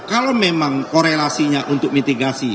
kalau memang korelasinya untuk mitigasi